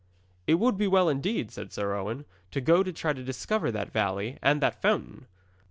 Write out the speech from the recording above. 'It would be well, indeed,' said Sir Owen, 'to go to try to discover that valley and that fountain.'